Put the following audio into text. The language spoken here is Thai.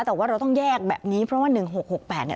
แต่ว่าเราต้องแยกแบบนี้เพราะว่า๑๖๖๘เนี่ย